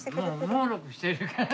もうもうろくしてるから。